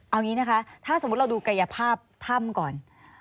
เอางี้นะคะถ้าสมมุติเราดูกายภาพถ้ำก่อน